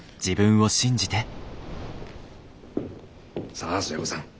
さあ寿恵子さん